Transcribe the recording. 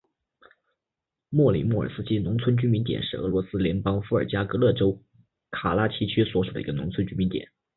普里莫尔斯基农村居民点是俄罗斯联邦伏尔加格勒州卡拉奇区所属的一个农村居民点。